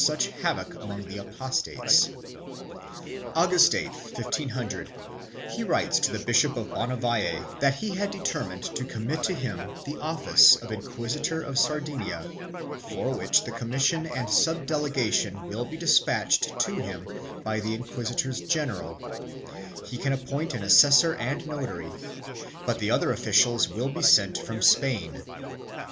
such havoc among the apostates.1 August 8, 1500, he writes to the Bishop of Bonavalle that he had determined to commit to him the office of inquisitor in Sardinia, for which the commission and subdelegation will be despatched to him by the inquisitors general; he can appoint an assessor and notary, but the other officials will be sent from Spain.